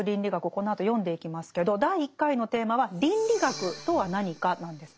このあと読んでいきますけど第１回のテーマは「倫理学とは何か」なんですね。